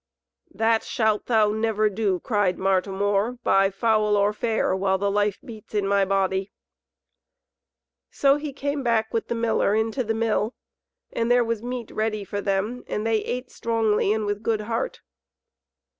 "That shalt thou never do," cried Martimor, "by foul or fair, while the life beats in my body." So he came back with the miller into the Mill, and there was meat ready for them and they ate strongly and with good heart.